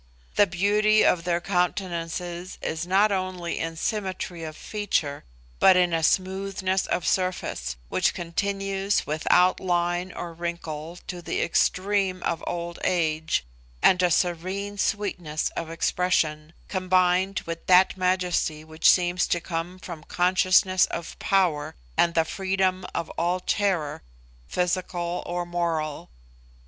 The beauty of their countenances is not only in symmetry of feature, but in a smoothness of surface, which continues without line or wrinkle to the extreme of old age, and a serene sweetness of expression, combined with that majesty which seems to come from consciousness of power and the freedom of all terror, physical or moral.